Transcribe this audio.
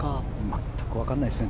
全くわからないですね